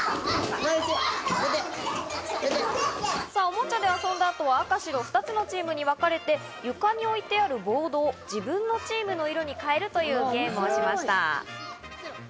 おもちゃで遊んだ後は赤・白２つのチームにわかれて床に置いてあるボードを自分のチームの色に変えるというゲームをしました。